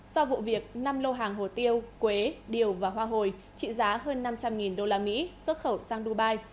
sau vụ việc năm lô hàng hồ tiêu quế điều và hoa hồi trị giá hơn năm trăm linh usd xuất khẩu sang dubai